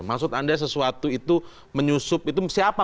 maksud anda sesuatu itu menyusup itu siapa